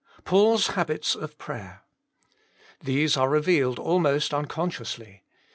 PAUL S HABITS OF PRAYER. These are revealed almost unconsciously.